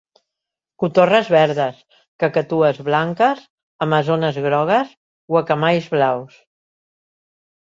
Cotorres verdes, cacatues blanques, amazones grogues, guacamais blaus...